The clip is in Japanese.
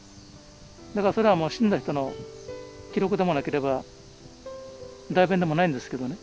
だからそれはもう死んだ人の記録でもなければ代弁でもないんですけどね。